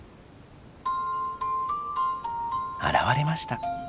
現れました！